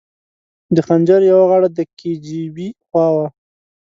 د خنجر یوه غاړه د کي جي بي خوا وه.